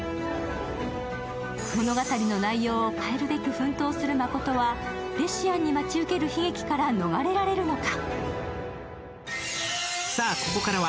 物語の内容を変えるべく奮闘する真琴は、レシアンに待ち受ける悲劇から逃れられるのか。